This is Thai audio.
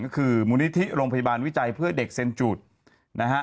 ก็คือมูลนิธิโรงพยาบาลวิจัยเพื่อเด็กเซ็นจูดนะฮะ